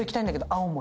青森！